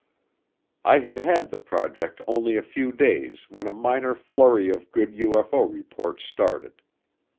I had had the project only a few days when a minor flurry of good UFO reports started.